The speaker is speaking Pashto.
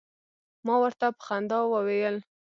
ما ورته په خندا وویل.